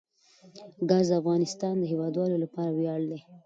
ګاز د افغانستان د هیوادوالو لپاره ویاړ دی.